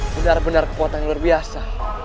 benar benar kekuatan yang luar biasa